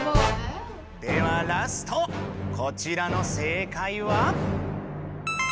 ではラストこちらの正解は？